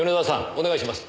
お願いします。